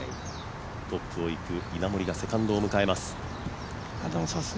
トップを行く稲森が、セカンドを迎えます。